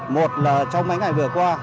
một là trong mấy ngày vừa qua